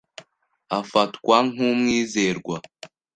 Afatwa nk'umwizerwa.